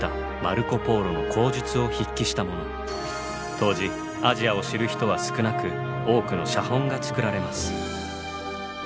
当時アジアを知る人は少なく多くの写本が作られます。